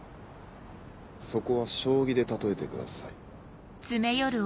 そこは将棋で例えてください。